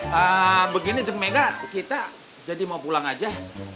kalau gini cik megah kita jadi mau pulang aja